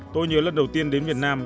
tôi nhớ lần đầu tiên đến việt nam